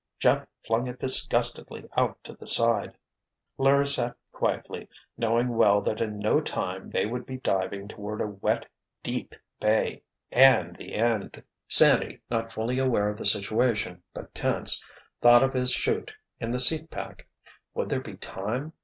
Jeff flung it disgustedly out to the side. Larry sat quietly, knowing well that in no time they would be diving toward a wet, deep bay—and the end! Sandy, not fully aware of the situation, but tense, thought of his 'chute, in the seat pack. Would there be time?